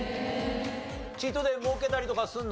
チートデー設けたりとかするの？